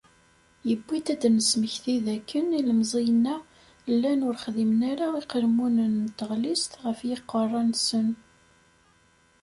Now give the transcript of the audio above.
Yewwi-d ad d-nesmekti dakken ilemẓiyen-a llan ur xdimen ara iqelmunen n tɣellist ɣef yiqerra-nsen.